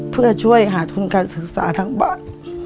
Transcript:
เพื่อช่วยหาทุนการศึกษาทั้งบ้าน